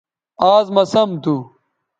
آز مہ سم تھو